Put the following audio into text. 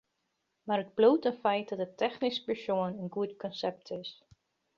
Mar it bliuwt in feit dat it technysk besjoen in goed konsept is.